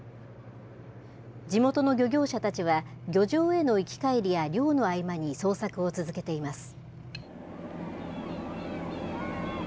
地元の漁業者たちは、漁場への行き帰りや漁の合間に捜索を続けています。